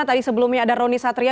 tadi sebelumnya ada roni satria